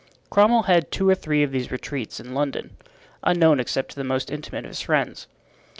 Cromwell had two or three of these retreats in London, unknown except to the most intimate of his friends.